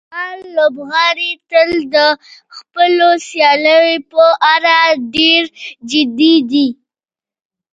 افغان لوبغاړي تل د خپلو سیالیو په اړه ډېر جدي دي.